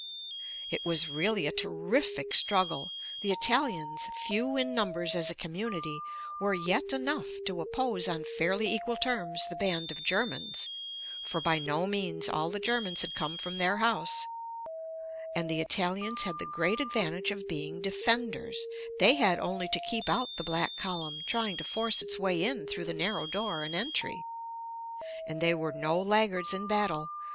It was really a terrific struggle. The Italians, few in numbers as a community, were yet enough to oppose on fairly equal terms the band of Germans, for by no means all the Germans had come from their house. And the Italians had the great advantage of being defenders. They had only to keep out the black column trying to force its way in through the narrow door and entry. And they were no laggards in battle.